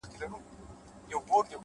نیک چلند د درناوي تخم شیندي؛